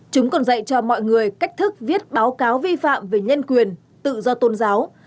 chúng còn dạy cho mọi người cách thức viết báo cáo vi phạm về nhân quyền tự do tôn giáo